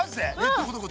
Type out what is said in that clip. どこどこ？